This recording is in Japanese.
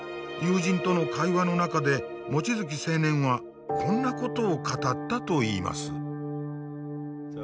友人との会話の中で望月青年はこんなことを語ったといいます。